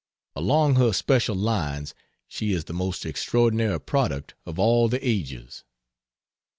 Along her special lines she is the most extraordinary product of all the ages.